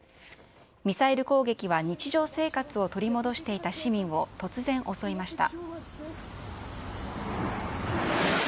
ミサイル攻撃は日常生活を取り戻していた市民を突然襲いました。